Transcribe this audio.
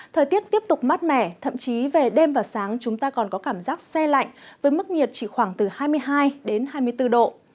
thời tiết tiếp tục mát mẻ thậm chí về đêm và sáng chúng ta còn có cảm giác xe lạnh với mức nhiệt chỉ khoảng từ hai mươi hai hai mươi bốn độ